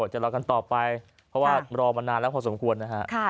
จะรอกันต่อไปเพราะว่ารอมานานแล้วพอสมควรนะฮะ